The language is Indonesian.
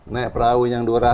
naik perahu yang dua ratus